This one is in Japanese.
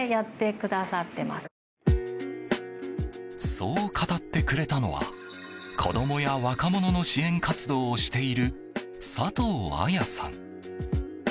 そう語ってくれたのは子供や若者の支援活動をしている佐東亜耶さん。